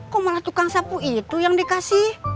kok malah tukang sapu itu yang dikasih